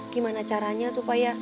gimana caranya supaya